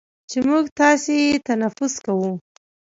چې موږ تاسې یې تنفس کوو،